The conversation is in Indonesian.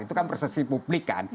itu kan persepsi publik kan